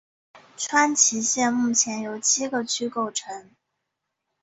川崎市目前由七个区构成。